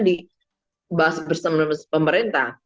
di bahas bersama pemerintah